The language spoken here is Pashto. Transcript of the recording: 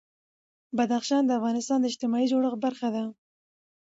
بدخشان د افغانستان د اجتماعي جوړښت برخه ده.